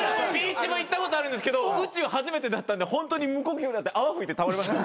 ＢｅａｃｈＶ行ったことあるんですけど宇宙初めてだったんでホントに無呼吸になって泡噴いて倒れました。